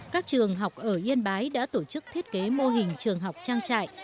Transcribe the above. các trường học ở yên bái đã tổ chức thiết kế mô hình trường học trang trại